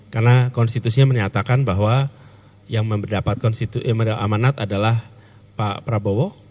karena konstitusinya menyatakan bahwa yang mendapat amanat adalah pak prabowo